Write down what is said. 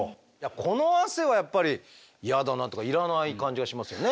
この汗はやっぱり嫌だなというかいらない感じがしますよね。